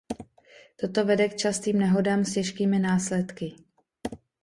Toto vede k častým nehodám s těžkými následky.